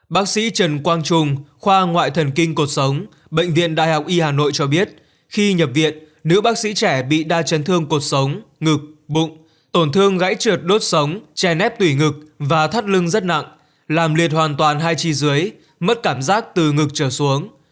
bác sĩ trần quang trung khoa ngoại thần kinh cuộc sống bệnh viện đại học y hà nội cho biết khi nhập viện nữ bác sĩ trẻ bị đa chấn thương cuộc sống ngực bụng tổn thương gãy trượt đốt sống che nếp tủy ngực và thắt lưng rất nặng làm liệt hoàn toàn hai chi dưới mất cảm giác từ ngực trở xuống